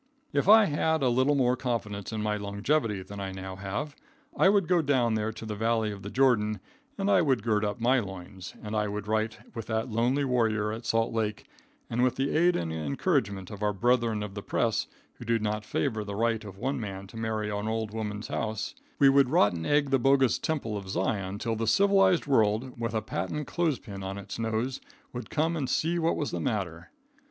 If I had a little more confidence in my longevity than I now have, I would go down there to the Valley of the Jordan, and I would gird up my loins, and I would write with that lonely warrior at Salt Lake, and with the aid and encouragement of our brethren of the press who do not favor the right of one man to marry an old woman's home, we would rotten egg the bogus Temple of Zion till the civilized world, with a patent clothes pin on its nose, would come and see what was the matter.